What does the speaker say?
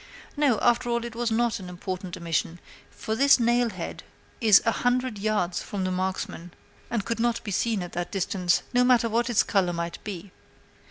No, after all, it was not an important omission; for this nail head is a hundred yards from the marksmen, and could not be seen by them at that distance, no matter what its color might be.